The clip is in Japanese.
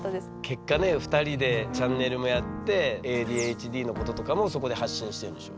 結果ね２人でチャンネルもやってＡＤＨＤのこととかもそこで発信してるんでしょ？